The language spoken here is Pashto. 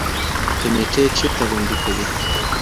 کميټي چېرته غونډي کوي؟